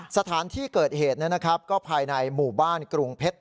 สถานที่เกิดเหตุก็ภายในหมู่บ้านกรุงเพชร